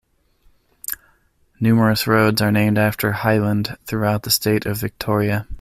Numerous roads are named after Hyland throughout the state of Victoria.